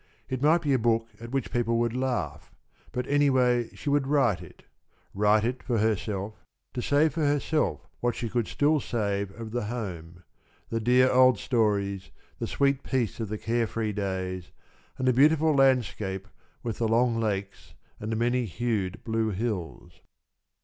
It might be a book at which people would laugh, but anyway she would write it write it for herself, to save for herself what she could still save of the home the dear old stories, the sweet peace of the care free days, and the beautiful landscape with the long lakes and the many hued blue hills.